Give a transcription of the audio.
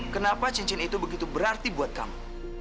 kenapa cincin itu begitu berarti buat kamu